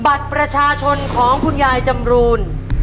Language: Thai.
บัตรประชาชนของคุณยายจำรูน